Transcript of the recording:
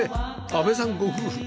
阿部さんご夫婦